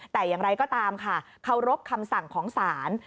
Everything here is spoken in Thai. แต่อย่างไรก็ตามค่ะเคารพคำสั่งของศาล